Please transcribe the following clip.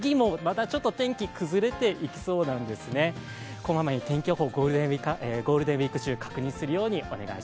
こまめに天気予報ゴールデンウイーク中確認するようにしてください。